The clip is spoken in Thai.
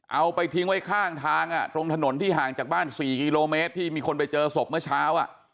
เอาไปทิ้งไว้ข้างทางตรงถนนที่ห่างจากบ้าน๔กิโลเมตรที่มีคนไปเจอศพเมื่อเช้า